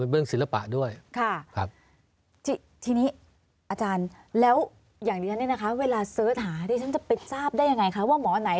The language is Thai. มันเป็นเรื่องศิลปะด้วย